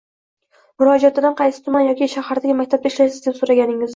murojaatchidan qaysi tuman yoki shahardagi maktabda ishlaysiz deb so‘raganingizda